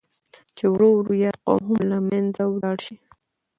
چې ورو ورو ياد قوم هم لمنځه ولاړ شي.